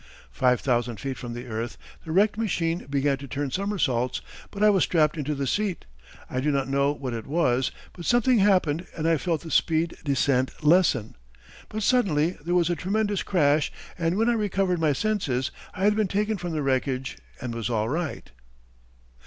Five thousand feet from the earth, the wrecked machine began to turn somersaults, but I was strapped into the seat. I do not know what it was, but something happened and I felt the speed descent lessen. But suddenly there was a tremendous crash and when I recovered my senses I had been taken from the wreckage and was all right.